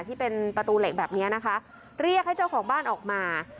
ที่เป็นประตูเหล็กแบบนี้นะคะเรียกให้เจ้าของบ้านออกมา